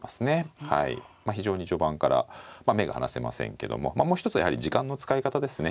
非常に序盤から目が離せませんけどももう一つはやはり時間の使い方ですね。